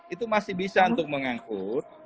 itu masih bisa untuk mengangkut